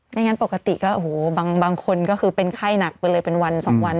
งั้นปกติก็โอ้โหบางคนก็คือเป็นไข้หนักไปเลยเป็นวัน๒วัน